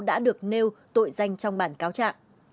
đã được nêu tội danh trong bản cáo trạng